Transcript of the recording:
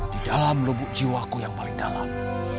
di dalam lubuk jiwaku yang paling dalam